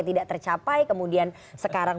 tidak tercapai kemudian sekarang